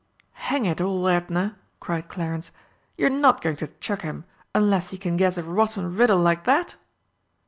"Hang it all, Edna!" cried Clarence, "you're not going to chuck him unless he can guess a rotten riddle like that!"